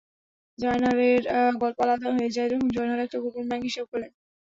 জয়নালের গল্প আলাদা হয়ে যায় যখন জয়নাল একটা গোপন ব্যাংক হিসাব খোলে।